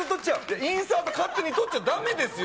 インサート、勝手に撮っちゃだめですよ。